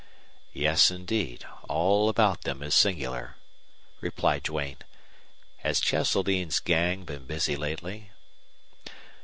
"Yes, indeed, all about them is singular," replied Duane. "Has Cheseldine's gang been busy lately?"